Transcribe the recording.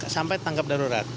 sampai tanggap darurat